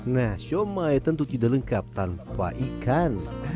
nah shumai tentu tidak lengkap tanpa ikan